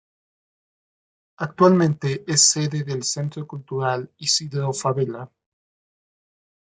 Actualmente es sede del Centro Cultural Isidro Fabela.